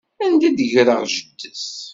Anda i ḍeggreɣ jeddi-s?